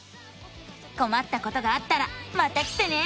こまったことがあったらまた来てね！